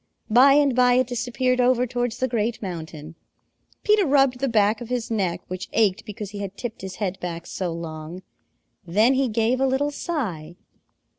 By and by it disappeared over towards the Great Mountain. Peter rubbed the back of his neck, which ached because he had tipped his head back so long. Then he gave a little sigh.